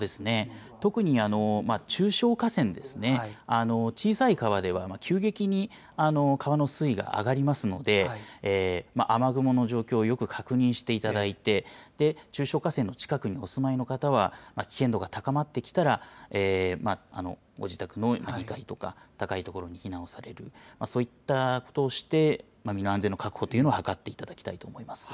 特に中小河川ですね、小さい川では急激に川の水位が上がりますので、雨雲の状況をよく確認していただいて、中小河川の近くにお住まいの方は、危険度が高まってきたら、ご自宅の２階とか高い所に避難をされる、そういったことをして、身の安全の確保というのを図っていただき